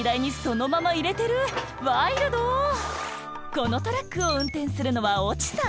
このトラックをうんてんするのはオチさん。